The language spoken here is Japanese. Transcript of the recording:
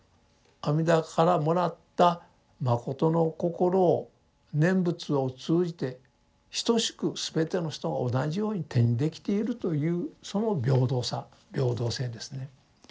阿弥陀からもらった信心を念仏を通じて等しく全ての人が同じように手にできているというその平等さ平等性ですね。